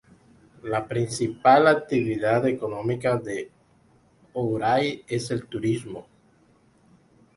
La principal actividad económica de Ouray es el turismo.